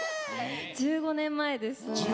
１５年前です。